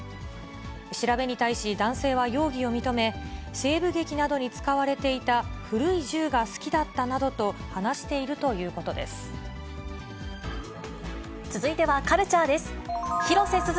調べに対し男性は容疑を認め、西部劇などに使われていた古い銃が好きだったなどと話していると続いてはカルチャーです。